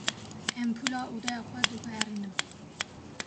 Empûla odeya xwe diguherînim.